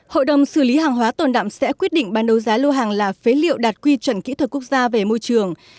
hội đồng xử lý hàng hóa tồn đạm sẽ quyết định ban đấu giá lô hàng là phế liệu đạt quy chuẩn kỹ thuật quốc gia về môi trường